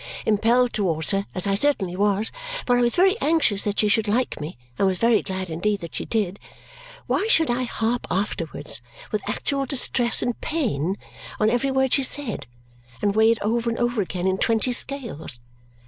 Impelled towards her, as I certainly was, for I was very anxious that she should like me and was very glad indeed that she did, why should I harp afterwards, with actual distress and pain, on every word she said and weigh it over and over again in twenty scales?